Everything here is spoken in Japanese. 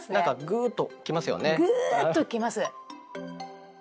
グーッと来ます。